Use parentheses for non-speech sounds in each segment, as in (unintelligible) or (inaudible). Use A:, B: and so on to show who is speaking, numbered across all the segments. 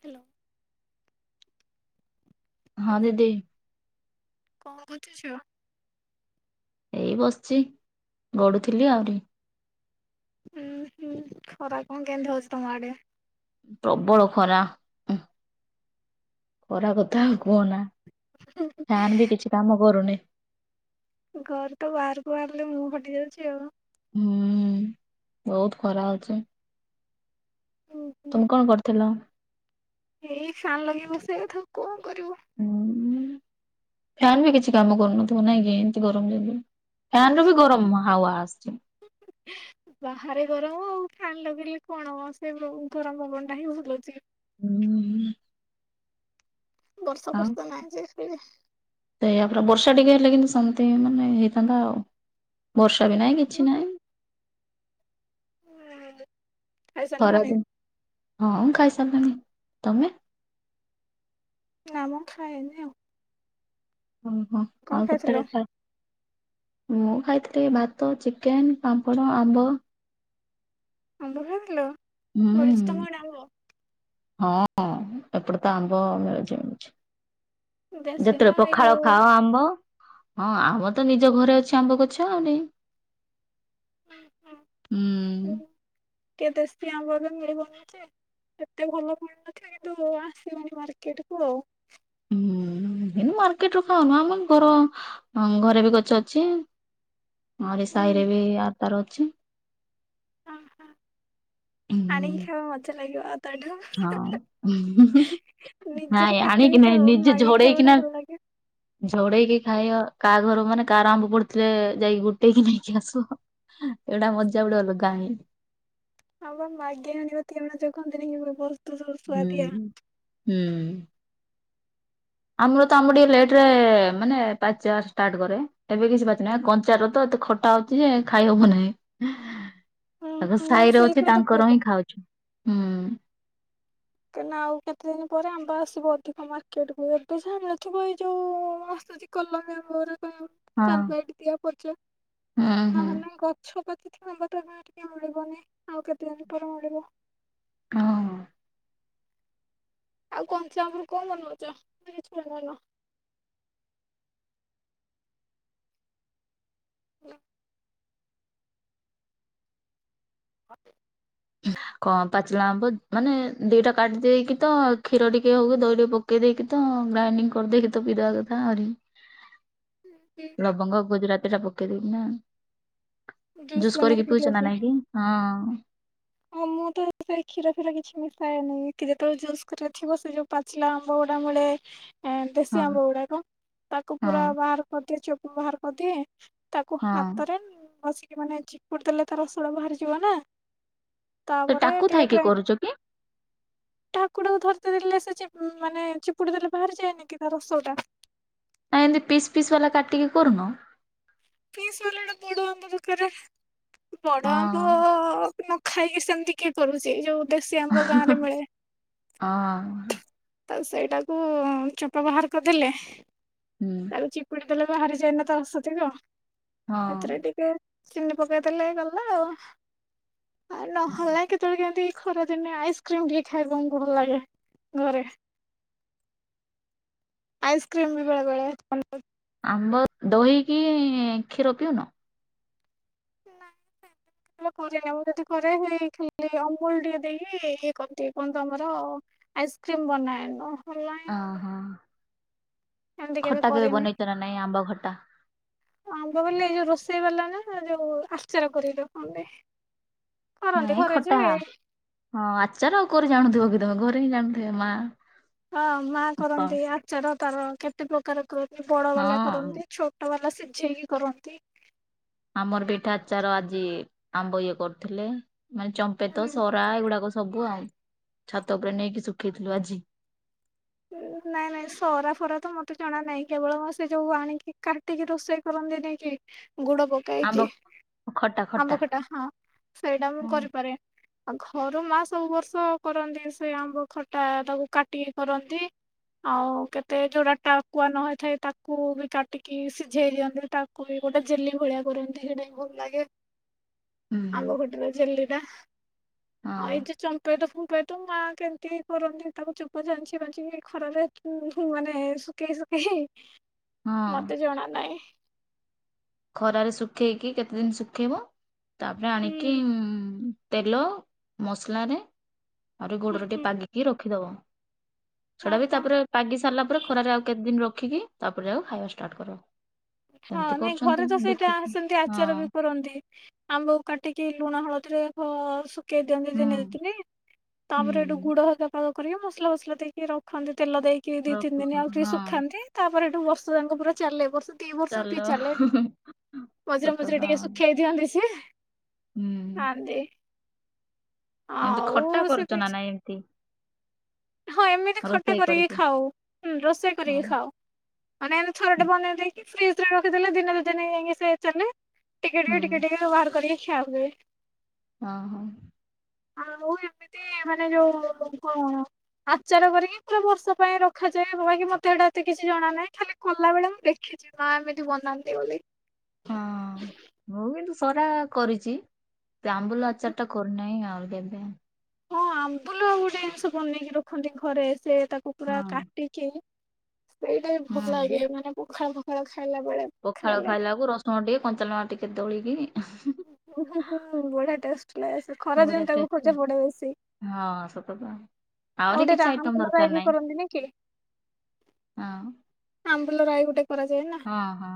A: Hello.
B: ହଁ
A: hello
B: ଦିଦି।
A: (unintelligible)
B: ଏଇ ବସିଛି ଗଢୁଥିଲି ଆହୁରି।
A: ହୁଁ ହୁଁ ଖରା କଣ କେନ୍ ହଉଜ ତମଆଡ଼େ?
B: ପ୍ରବଳ ଖରା ହୁଁ। ଖରା କଥା
A: ହଁ।
B: ଆଉ କୁହନା ଫ୍ୟାନ ବି କିଛି କାମ କରୁନି
A: ଘରେ ତ ବାହାରକୁ ବାହାରିଲେ ମୁଁ ଫାଟି ଯାଉଛି ଆଉ।
B: ହୁଁ ବହୁତ ଖରା ହଉଛି।
A: ହୁଁ ହୁଁ।
B: ତୁମେ କଣ କରୁଥିଲ
A: ଏଇ ଫ୍ୟାନ୍ ଲଗେଇ ବସିବା କଥା କୁହ
B: ହୁଁ ଫ୍ୟାନ୍ ବି କିଛି କାମ କରୁନଥିବ ନାଇଁ କି ଏମତି ଗରମ ଯେ
A: ଓହୋ ହୋ ବାହାରେ ଗରମ ଆଉ ଫ୍ୟାନ ଲଗେଇଲେ କଣ ହବ ସେ ଗରମ ପବନ ଟା ହିଁ ଭୁଲୁଛି
B: ହୁଁ ହୁଁ
A: ବର୍ଷା
B: ଆମ
A: ଫର୍ଷା ନାହିଁ ଯେ ହେଲେ
B: ୟା ପରେ ବର୍ଷା ଟିକେ ହେଲେ କିନ୍ତୁ ସମସ୍ତେ, ତେ ମାନେ ହେଇଥାନ୍ତା ଆଉ, ବର୍ଷା ବି ନାହିଁ କିଛି ନାହିଁ
A: ହେଲୋ ଖାଇ
B: ଖରା
A: ସାରିଲଣିି
B: ଦିନ ହଁ ଖାଇସାରିଲୁଣି, ତମେ
A: ନାଇଁ ମୁଁ ଖାଇନି ଆଉ
B: ଓହୋ
A: କଣ
B: ଆଉ
A: ଖାଇଥିଲ?
B: କେତେବେଳେ ଖାଅ, ମୁଁ ଖାଇଥିଲି ଭାତ ଚିକେନ, ପାମ୍ପଡ଼, ଆମ୍ବ।
A: ଆମ୍ବ ଖାଇଥିଲ? ଫଳିଚି ତମ
B: ହୁଁ
A: ଆଡେ ଆମ୍ବ?
B: ହଁ, ଏପଟେ ତ ଆମ୍ବ ମିଳୁଛି, ମିଳୁଛି।
A: ଦେଶୀ ନା
B: ଯେତେବେଳେ
A: ଏଇ
B: ପଖାଳ ଖାଅ ଆମ୍ବ ହଁ, ଆମ ତ ନିଜ ଘରେ ଅଛି ଆମ୍ବ ଗଛ ଆଉ ନେଇ।
A: ହୁଁ-ହୁଁ-ହୁଁ। ଟିକେ ଦେଶୀ ଆମ୍ବ ଏବେ ମିଳିବନି ଯେ, ଏତେ ଭଲ ମିଳୁନଥିଲା କିନ୍ତୁ ଆସିବଣି ମାର୍କେଟକୁ ଆଉ।
B: ହୁଁ। କିନ୍ତୁ ମାର୍କେଟରୁ ଖାଉନୁ, ଆମ ଘର ଘରେ ବି ଗଛ ଅଛି, ଆହୁରି
A: ହୁଁ।
B: ସାହିରେ ବି ଆର ତାର ଅଛି।
A: ଅ ହଁ।
B: ହୁଁ
A: ଆଣିକି ଖାଇବ ମଜା ଲାଗିବ। ଆଉ ତାଠୁ
B: ହଁ, ଉଁ-ହୁଁ-ହୁଁ-ହୁଁ।
A: ନିଜର
B: ନାଇଁ
A: କେତେ ବି
B: ଆଣିକି ନାଇଁ
A: ଥାଉ
B: ନିଜେ
A: ମାଗିକି ଖାଇବାଟା
B: ଝଡେଇକିନା,
A: ଭଲ ଲାଗେ।
B: ଝଡେଇକି ଖାଇବା କାହା ଘର ମାନେ କାହାର ଆମ୍ବ ପଡିଥିଲେ ଯାଇକି ଗୋଟେଇକି ନେଇକି ଆସୁ ଆଉ। ଏଇଟା ମଜା ଗୋଟେ ଅଲଗା ହିଁ।
A: ହଁ ବା, ମାଗି ଆଣିବା ତିଅଣ ଯୋଉ କହନ୍ତିନି କି (unintelligible) ସୁଆଦିଆ।
B: ହୁଁ, ହୁଁ। ଆମର ତ ଆମର ଟିକେ ଲେଟରେ ମାନେ ପାଚିବା ଷ୍ଟାର୍ଟ କରେ, ଏବେ କିଛି ପାଚେ ନାହିଁ। ଆଉ କଞ୍ଚାର ତ ଏତେ ଖଟା ହଉଛି ଯେ ଖାଇହବ ନାହିଁ।
A: ହୁଁ
B: ତାଙ୍କ
A: ହୁଁ। ମୁଁ
B: ସାହିରେ ଅଛି,
A: ସେଇଥିପାଇଁ ତ
B: ତାଙ୍କର
A: କହିଲି।
B: ହିଁ ଖାଉଛୁ। ହୁଁ।
A: କାହିଁନା (unintelligible) ଆଉ କେତେ ଦିନ ପରେ ଆମ୍ବ ଆସିବ ଅଧିକ ମାର୍କେଟକୁ ଏବେ ଜାଣିିନଥିବ ଏଇ ଯୋଉ ଆସୁଚି କଲମ୍ବି ଆମ୍ବ ଉରା
B: ହଁ
A: କାରବାଇଟି ଦିଆ ପଚା
B: ହୁଁ ହୁଁ
A: ନହେଲେ ଗଛ ପ ସେଥିପାଇଁ ବୋଧେ କାଇଁ ଟିକେ ମିଳିବନି, ଆଉ କେତେ ଦିନ ପରେ ମିଳିବ।
B: ହଁ।
A: ଆଉ କଞ୍ଚାଆମ୍ବରୁ କଣ ବନଉଚ, ନା କିଛି ବନଉନ? ନାଁ ହଁ
B: ଚିଲା ଆମ୍ବ ମାନେ ଦିଟା କାଟିଦେଇକି ତ କ୍ଷୀର ଟିକେ ହୋଉ ଦହି ଟିକେ ପକେଇ ଦେଇକି ତ ଗ୍ରାଇଣ୍ଡିଙ୍ଗ କରିଦେଇକି ତ ପିଇଦବା କଥା ଆହୁରି ଲବଙ୍ଗ, ଗୁଜୁରତି ଏଟା ପକେଇଦବି ନା? ଜୁସ୍ କରିକି
A: ବନେଇକି
B: ପିଉଚ ନା
A: ପିଉଥିଲଣି
B: ନାଇଁ କିି? ହଁ।
A: ହଁ ମୁଁ ତ ସେ କ୍ଷୀର ଫୀର କିଛି ମିଶାଏନି। ଖୀ ଯେତେବେଳେ ଜୁସ୍ କରିବାର ଥିବ ସେ ଯୋଉ ପାଚିଲା ଆମ୍ବଗୁଡା ମିଳେ ଏଁ ଦେଶୀ
B: ହଁ
A: ଆମ୍ବ ଗୁଡାକ ତାକୁ
B: ହଁ
A: ପୁରା ବାହାର କରିଦିଏ ଚୋ ବାହାର କରିଦିଏଁ। ତାକୁ
B: ହଁ।
A: ହାତରେ ବସି ମାନେ ଚିପଡି ଦେଲେ ତା ରସ‌ଉଡା ବାହାରିଯିବ ନା।
B: ତ
A: ତାପରେ
B: ଟାକୁ
A: ଟିକେ
B: ଥାଇକି
A: ଗ୍ରାଇଣ୍ଡର
B: କରୁଛ କି?
A: ଠାକୁରକୁ ଧରି (unintelligible) ଦେଲେ ସେ ଚି ମାନେ ଚିପୁଡି ଦେଲେ ବାହାରି ଯାଏନି କି ତା ରସ‌ଉରା।
B: ଆ ଏମତି ପିସ୍ ପିସ୍ ବାଲା କାଟିକି କରୁନ?
A: ପିସ୍ ବାଲାଟା ବଡ ଆମ୍ବ ‌ଦରକାରେ। ବଡ ଆମ୍ବ
B: ହଁ
A: ନ ଖାଇକି ସେମିତି କିଏ କରୁଚି ଯୋଉ ଦେଶୀ ଆମ୍ବ ଗାଁ ରେ
B: (unintelligible) ହଁ।
A: ତାକୁ ସେଇଟାକୁ ଚୋପା ବାହାର କରିଦେଲେ।
B: ହୁଁ
A: ତାକୁ ଚିପୁଡି ଦେଲେ ବାହାରି ଯାଏନା ତା ରସତିକ।
B: ହଁ।
A: ଏଥିରେ ଟିକେ ଚିନି ପକେଇ ଦେଲେ ହେଇଗଲା ଆଉ। ଆଉ ନହେଲେ କେତବେଳେ କେମିତି ଖରା ଦିନେ ଆଇସ୍କ୍ରିମ୍ ଟିକେ ଖାଇ (unintelligible) ଭଲ ଲାଗେ ଘରେ। ଆଇସ୍କ୍ରିମ୍ ବି ବେଳେବେଳେ (inaudible)
B: ଆମ୍ବ ଦହିକି କ୍ଷୀର ପିଉନ?
A: ନାଇଁ ସେ କରେନି ଆଉ ଯଦି କରେ ହେଇ ଖିରି ଅମୁଲ ଟିକେ ଦେଇକି ଇଏ କରନ୍ତି। କଣନ୍ତୁ ଆମର ଆଇସ୍କ୍ରିମ ବନାଏନ।
B: ଅ ହଁ।
A: ଏମିତି
B: ଖଟା କେବେ
A: କରିନି।
B: ବନେଇଚ ନା ନାଇଁ ଆମ୍ବ ଖଟା?
A: ଏ ଯୋଉ ରୋଷେଇ ବାଲା ନା ଯୋଉ ଆଚାର କରିକି ରଖନ୍ତି। କରନ୍ତି
B: ନାଇଁ
A: ଘରେ ଯେ
B: ଖଟା ହଁ ଆଚାର ଆଉ କରି ଜାଣୁଥିବ କି ତମେ ଘରେ ହିଁ ଜାଣ ସେ ମା
A: ହଁ ମା
B: ବାପା
A: କରନ୍ତି ଆଚାର। ତାର କେତେ ପ୍ରକାର କ ଇଏ ବଡ ବାଲା
B: ହଁ
A: କରନ୍ତି। ଛୋଟ ବାଲା ସିଝେଇକି କରନ୍ତି।
B: ଆମର ପିଠା ଆଚାର ଆଜି ଆମ୍ବ ଇଏ କରୁଥିଲେ। ମାନେ ଚମ୍ପେତ ସରା ଏଗୁଡାକ ସ ସବୁ ଆଉ ଛାତ ଉପରେ ନେଇକି ଶୁଖେଇଥିଲୁ ଆଜି।
A: ନାଇଁ ନାଇଁ ସରା ଫରା ତ ମତେ ଜଣା ନାହିଁ କେବଳ ମା ସେ ଯୋଉ ଆଣିକି କାଟିକି ରୋଷେଇ କରନ୍ତିନାଇ କି? ଗୁଡ
B: ଆମ୍ବ
A: ପକାଇକି
B: ଖଟା ଖଟା
A: ଆମ୍ବଖଟା ହଁ ସେଇଟା ମୁଁ
B: ହଁ
A: କରିପାରେ। ଆଉ ଘରୁ ମା ସବୁ ବର୍ଷ କରନ୍ତି ସେ ଆମ୍ବ ଖଟା ତାକୁ କାଟିକି କରନ୍ତି। ନ୍ତି ଆଉ କେତେ ଯୋଉଟା ଟାକୁଆ ନ ହେଇଥାଏ ତାକୁ ବି କାଟିକି ସିଝେଇ ଦିଅନ୍ତି ତାକୁ ବି ଗୋଟେ ଜେଲି ଭଳିଆ କରନ୍ତି ସେଟା ଭଲ ଲାଗେ।
B: ହୁଁ
A: ଆମ୍ବ ଖଟା ଜେଲି ଟା।
B: ହଁ
A: ଆଉ ଏଇ ଯେ ଚମ୍ପେଇ ତ ଫମ୍ପେଇ ତ ମା କେମିତି ହେଇ କରନ୍ତି ତାକୁ ଚୁପ ଚାଞ୍ଚି ଛି ଛାଞ୍ଚି କି ଖରାରେ ଉଁ ଧୂଁ ମାନେ ଶୁଖେଇ ଶୁଖେଇକି
B: ହଁ।
A: ମତେ ଜଣା ନାହିଁ।
B: ଖରାରେ ଶୁଖେଇକି କେତେ ଦିନ ଶୁଖେଇବ ତାପରେ ଆଣିକି
A: ହୁଁ।
B: ମ୍ ତେଲ ମସଲାରେ ଆଉରି
A: ହୁଁ
B: ଗୋଡରେ ଟିକେ
A: ହୁଁ
B: ପାଗିକି ରଖ ରଖିଦବ।
A: ହଁ
B: ସେଡା ବି
A: ହଁ
B: ତାପରେ ପାଗି ସାରିଲା ପରେ ଖରାରେ ଆଉ କେତେ ଦିନ ରଖ ରଖିକି ତାପରେ ଆଉ ଖାଇବା ଷ୍ଟାର୍ଟ କରିବ।
A: ଚ୍ଛା ନାଇଁ ଘରେ ତ ସେଇଟା ସେନ୍ତି
B: ହଁ
A: ଆଚାର ବି କରନ୍ତି ଆମ୍ବ କୁ କାଟିକି ଲୁ ଲୁଣ ହଳଦିରେ ହ ସୁ ପକେଇ ଦିଅନ୍ତି
B: ହୁଁ
A: ଦିନେ ଦିଦିନି ତାପରେ ଏଠୁ
B: ହୁଁ
A: ଗୁଡ ହେକା ପାଗ କରିବେ ମସଲା ଫସଲା ଦେଇକି ରଖନ୍ତି। ତେଲ ଦେଇକି ଦି ତିନି ଦିନ ଆଉ
B: ରଖୁଛନ୍ତି
A: ଟିକେ
B: ହଁ
A: ଶୁଖାନ୍ତି ତାପରେ ହେଠୁ ବର୍ଷ ଯାଙ୍କ ପୁରା ଚାଲେ ବର୍ଷ ଦି ବର୍ଷ
B: ଚାଲ
A: ବି ଚାଲେ ମଝିରେ ମଝିରେ
B: ସତଟା
A: ଟିକେ ଶୁଖେଇ ଦିଅନ୍ତି ସିଏ।
B: ହୁଁ
A: ଖାନ୍ତି।
B: ଏମିତି ଖଟା କରୁଚ ନା ନାଇଁ ଏମିତି?
A: ହଁ ଏମିତି ଖଟା କରିକି ଖାଉ ରୋଷେଇ କରିକି
B: ହଁ
A: ଖାଉ ମାନେ ଏମିତି ଥର ଟେ
B: ହୁଁ
A: ବନେଇ ଦେଇକି ଫ୍ରିଜରେ ରଖିଦେଲେ ଦିନେ ଦି ଦିନି ଜାଙ୍କେ ସେ ଚାଲେ। ଟିକେ ଟିକେ ବାହାର କରିକି କ୍ଷା ହୁଏ।
B: ହଁ ହଁ।
A: ଆଉ ଏମିତି ମାନେ ଯୋଉ କଣ ଆଚାର କରିକି ପୁରା ବର୍ଷ ପାଇଁ ରଖାଯାଏ ବାକି ମତେ ଏଇଟା ଏତେ କିଛି ଜଣ ନାହିଁ ଖାଲି କଲା ବଳେ ମୁଁ ଦେଖିଚି ମା ଏମିତି ବନାନ୍ତି ବୋଲି।
B: ହଁ ମୁଁ କିନ୍ତୁ ସରା କରିଚି। ସେ
A: ହୁଁ
B: ଆମ୍ବୁଲ
A: ହୁଁ।
B: ଆଚାର ଟା କରିନାଇଁ ଆଉ। ତ କେବେ
A: ହଁ ଆମ୍ବୁଲ ଆଉ ଗୋଟେ ଜିନିଷ ବନେଇକି ରଖନ୍ତି ଘରେ ସେ ତାକୁ ପୁରା
B: ହଁ।
A: କାଟିକି ସେଇଟା ବି ଭଲ ଲାଗେ
B: ହୁଁ
A: ମାନେ ପଖାଳ (unintelligible)
B: ପଖାଳ
A: ଖାଇଲେ
B: ଖାଇଲାକୁ ରସୁଣ ଟିକେ କଞ୍ଚାଲଙ୍କା ଟିକେ ଦଳିକି
A: (unintelligible) ହୁ ବଢିଆ ଟେଷ୍ଟ ଲାଗେ ଖରାଦିନ
B: ବଢିଆ
A: ତାକୁ
B: ଟେଷ୍ଟ ଆଉ।
A: ଖୋଜା ପଡେ ବେଶୀ
B: ହଁ ସତକଥା
A: (inaudible)
B: ଆହୁରି
A: ଆଉ
B: କିଛି ଆଇଟମ ଦରକାର
A: ଗୋଟେଲଈ ବି
B: ନାହିଁ
A: କରନ୍ତି ନି କି (inaudible)
B: ହଁ
A: ଲ ରାଇ ଗୋଟେ କରାଯାଏ ନା।
B: ହଁ ହଁ।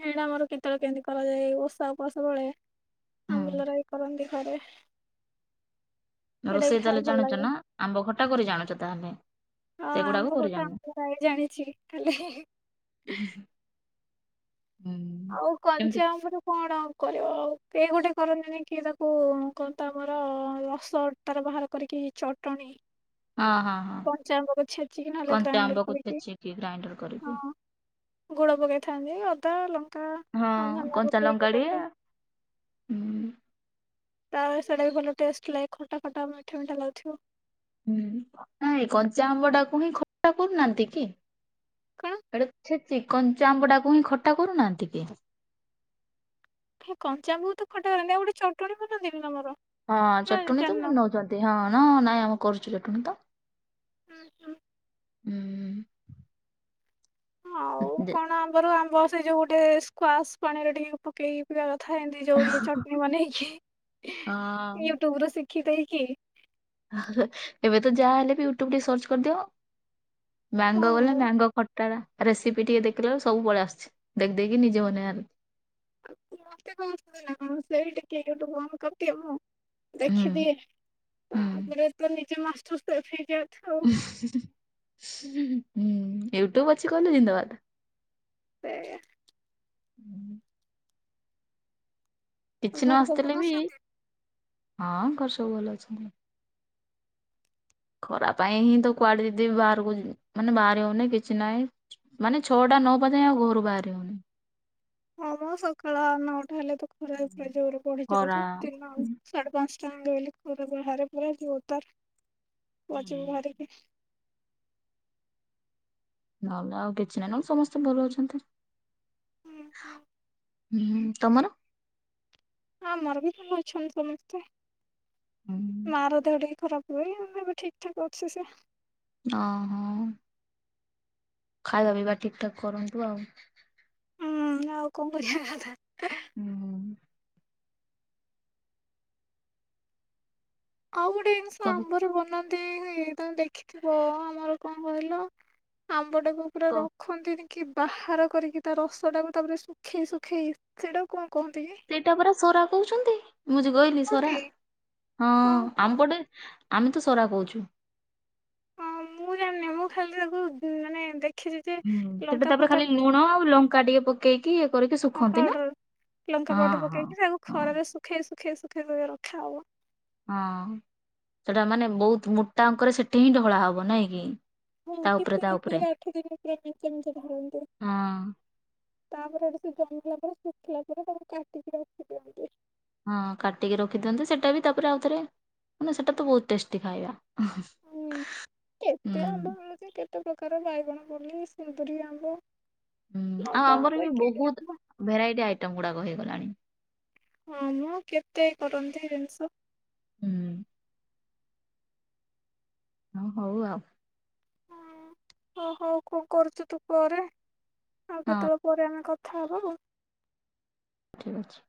A: ଏଇଟା ଆମର କେତେବେଳେ କେମିତି କରାଯାଏ ଓଷା। କସବେଳେ ଆମ୍ବୁଲ
B: ହୁଁ
A: ରାଇ କରନ୍ତି। ଘରେ। ସେଇଟା ବି
B: ରୋଷେଇ ତାହେଲେ
A: ଖାଇବାକୁ ଭଲ
B: ଜାଣୁଛ
A: ଲାଗେ
B: ନା ଆମ୍ବ ଖଟା କରି ଜାଣୁଛ ତାହେଲେ।
A: ହଁ
B: ସେଗୁଡାକୁ
A: ଆମ୍ବ
B: କରି
A: ଗୋଟେ
B: ଜାଣୁନ।
A: ଆ ଭାଇ ଜାଣିଛି କାଲି।
B: ହୁଁ
A: ଆଉ
B: କେମିତି
A: କଞ୍ଚାଆମ୍ବରୁ କଣ? କରିବ ଆଉ କେହି ଗୋଟେ କରନ୍ତିନି କିଏ ତାକୁ କହନ୍ତା ଆମର ରସ ତାର ବାହାର କରିକି ଚଟଣୀ।
B: ହଁ ହଁ ହଁ କଞ୍ଚା
A: ଗ୍ରାଇଣ୍ଡର
B: ଆମ୍ବକୁ
A: କରିକି
B: ଛେଚିକି ଗ୍ରାଇଣ୍ଡର କରିକି।
A: ଗୁଡ଼ ପକେଇଥାନ୍ତି ଅଦା ଲଙ୍କା
B: ହଁ
A: ଆଉ ଧନିଆ
B: କଞ୍ଚା
A: ପତ୍ର
B: ଲଙ୍କା ଟିକେ
A: ପକେଇଥାନ୍ତି
B: ହୁଁ।
A: ତାପରେ ସେଇଟା ବି ଭଲ ଟେଷ୍ଟ ଲାଗେ ଖଟା ଖଟା ମିଠା ମିଠା ଲାଗୁଥିବ।
B: ହୁଁ ନ କଞ୍ଚା ଆମ୍ବ ଟାକୁ ହିଁ ଖଟା କରୁନାହାନ୍ତି କି?
A: କଣ
B: (unintelligible) କଞ୍ଚା ଆମ୍ବଟାକୁ ହିଁ ଖଟା କରୁନାହାନ୍ତି କି?
A: କଞ୍ଚାଆମ୍ବ କୁ ତ ଖଟା କରନ୍ତି ଆଉ ଗୋଟେ ଚଟଣି ବନାନ୍ତିନି ତମର।
B: ହଁ
A: ନା
B: ଚଟଣୀ ତ ଭ
A: ଜାଣିନ
B: ନଉଛନ୍ତି ହଁ ହ ନାଇଁ ଆମେ କରୁଛୁ ଚଟଣୀ ତ।
A: ହୁଁ ହୁଁ।
B: ହୁଁ
A: ଆଉ
B: ଦେ
A: କଣ ଆମର ଆମ ବ ସେଇ ଯୋଉ ଗୋଟେ ସ୍କ୍ବାସ ପାଣିରେ ଟିକେ ପକେଇକି ପିବା କଥା। ଖାଏ ଅମିତି ଯୋଉ ଇଏ ଚଟନି ବନେଇକି
B: ହଁ
A: ୟୁଟ୍ୟୁବ ରୁ ଶିଖ କି ଦେଇ କିି
B: ଏବେ ତ ଯାହା ହେଲେ ବି ୟୁଟ୍ୟୁବ ରେ ସର୍ଚ୍ଚ କରିଦବ। ମ୍ୟାଙ୍ଗ ବୋଲେ
A: ହଁ।
B: ମ୍ୟାଙ୍ଗ ଖଟା ଟା। ରେସିପି ଟିକେ ଦେଖିଲେ ବେଳେ ସବୁ ପଳେ ଆସିୁଛି ଦେଖିଦକି ନିଜେ ମନେ ଆନ୍ତି।
A: (unintelligible) ଦେଖିଦିଏ ତାପରେ ତ ନିଜେ
B: ହୁଁ।
A: ମାସ୍ (unintelligible)
B: ହୁଁ। ୟୁଟ୍ୟୁବ ଅଛି କହିଲେ ଜିନ୍ଦାବାଦ।
A: ସେଇଆ।
B: (inaudible) କିଛି ନ
A: ଘରେ ସବୁ ଭଲ
B: ଆସୁଥିଲେ ବି
A: ଅଛନ୍ତି?
B: ହଁ ଘରେ ସବୁ ଭଲ ଅଛନ୍ତି। ଖରା ପାଇଁ ହିଁ ତ କୁଆଡେ ଦିଦିି ବାହାରକୁ ଯ ମାନେ ବାହାରି ହଉନି କିଛି ନାହିଁ। ମାନେ ଛଅଟା ନ ହବା ଯାଏଁ ଆଉ ଘରୁ ବାହାରି ହଉନି।
A: ହଁ ମ ସକାଳ ନଅଟା ହେଲେ ତ ଖରା ପୁରା ଜୋରେ ପଡି
B: ଖରା
A: ଯାଉଛି। ଦିନ
B: ହୁଁ।
A: ସାଢ଼େ ପାଞ୍ ଚାଲି ଆଇଲି ଖରା ବାହାରେ ପୁରା ଜୋରଦାର (unintelligible)
B: ନହେନେ ଆଉ କିଛି ନାହିଁ। ନହେଲେ ସମସ୍ତେ ଭଲ ଅଛନ୍ତି।
A: ଉଁ ଉଁ।
B: ଉଁ ତମର।
A: ଆମର ବି ଭଲ ଅଛନ୍ତି ସମସ୍ତେ।
B: ହୁଁ
A: ମା ର ଦେହ ଟିକେ ଖରାପ ହୁଏ। ଏବେ ଠିକ୍ ଠାକ୍ ଅଛି ସେ।
B: ଅ ହ-ଅ। ଖାଇବା ପିଇବା ଠିକ୍ ଠାକ୍ କରନ୍ତୁ ଆଉ।
A: ହୁଁ ଆଉ କଣ କରିବା କଥା।
B: ହୁଁ
A: ଆଉ ଗୋଟେ ଜିନିଷ
B: ସବୁ
A: ସାମ୍ବରରେ ବନାନ୍ତି-ଇ-ଇ। ଏଇ ତ ଦେଖିଥିବ ଆମର କଣ କହିଲ ଆମ୍ କପଡ଼ାକୁ ପୁରା
B: କ
A: ରଖନ୍ତିନି କି ବାହାର କରିକି ତା ରସ ଟାକୁ ତାପରେ ଶୁଖେଇ ଶୁଖେଇ ସେଇଟାକୁ କନ୍
B: ସେଇଟା ପରା ସରା କହୁଛନ୍ତି ମୁଁ ଯେ ଗୋ କଇଲି
A: କଣ
B: ସରା
A: କି
B: ହଁ
A: ଓହୋ
B: ଆମପଟେ ଆମେ ତ ସରା କଉଚୁ।
A: ହଁ ମୁଁ ଜାଣିନି ମୁଁ ଖାଲି ତାକୁ ମାନେ ଦେ
B: ହୁଁ ସେଟା ତାପରେ ଖାଲି ଲୁଣ ଆଉ ଲଙ୍କା ଟିକେ ପକ୍
A: ହଁ ପାଉଡର ଲଙ୍କା
B: ହଁ
A: ପାଉଡର
B: ହଁ
A: ପକେଇକି ତାକୁ
B: ହଁ
A: ଖରାରେ ଶୁଖେଇ ଶୁଖ୍ ଶୁଖେଇ ଶୁଖେଇ କରି ରଖା ହବ।
B: ହଁ ସେଟା ମାନେ ବହୁତ ମୁଟା ଅଙ୍କରେ ସେଠି ହିଁ ଢଳା ହବ ନାଇଁ କି।
A: ହଁ
B: ତା ଉପରେ
A: କେତେ
B: ତା
A: ଦିନ
B: ଉପରେ।
A: ପରେ ଆଠ ଦିନ ପୁରା ମେଞ୍ଚେ ମେଞ୍ଚେ ଧରନ୍ତି।
B: ହଁ
A: ତାପରେ (unintelligible) ପରେ ଶୁଖିଲା ପରେ ତାକୁ କାଟିକି ରଖି ଦିଅନ୍ତି।
B: ହଁ କାଟିକି ରଖିଦିଅନ୍ତୁ ସେଇଟା ବି ତାପରେ ଆଉଥରେ ସେଟା ତ ବହୁତ ଟେଷ୍ଟି ଖାଇବା।
A: ହୁଁ କେତେ ଆମ୍ବ
B: ହୁଁ
A: ମିଳୁଚି କେତ କେତେ ପ୍ରକାର ବାଇଗଣ ପଲେଇ ସୁନ୍ଦୁୁରି ଆମ୍ବ।
B: ହୁଁ ଆଉ
A: ନବା
B: ଆମର
A: ଆମ୍ବ ଗିରି
B: ବହୁତ
A: ଆମ୍ବ
B: ଭେରାଇଟି ଆଇଟମ ଗୁଡାକ ହେଇଗଲାଣି।
A: ହଁ ମ କେତେ କରନ୍ତି ଜିନିଷ।
B: ହୁଁ। ହଁ ହଉ ଆଉ।
A: ହୁଁ ଓ ହୋ କଣ କରୁଚୁ ତୁ କରେ ଆଉ
B: ହଁ
A: କେତେବେଳେ ପରେ ଆମେ କ କଥା ହବା ଆଉ।
B: ଠିକ୍ ଅଛି।